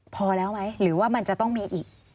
พอแล้วไหมหรือว่ามันจะต้องมีอีก